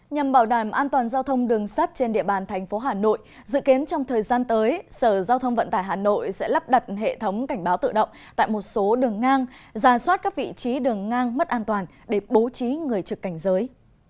nhằm bảo đảm an toàn giao thông đường sắt trên địa bàn thành phố hà nội dự kiến trong thời gian tới sở giao thông vận tải hà nội sẽ lắp đặt hệ thống cảnh báo tự động tại một số đường ngang ra soát các vị trí đường ngang mất an toàn để bố trí người trực cảnh giới